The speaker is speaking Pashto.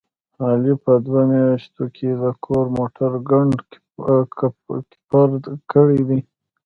علي په دوه میاشتو کې د کور موټر کنډ کپر کړی دی.